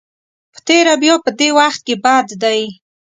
په تېره بیا په دې وخت کې بد دی.